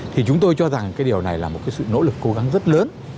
thì chúng tôi cho rằng cái điều này là một cái sự nỗ lực cố gắng rất lớn